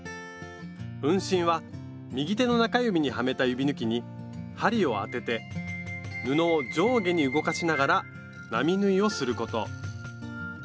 運針は右手の中指にはめた指ぬきに針を当てて布を上下に動かしながら並縫いをすること。